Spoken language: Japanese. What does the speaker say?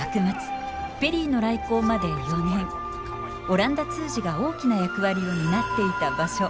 オランダ通詞が大きな役割を担っていた場所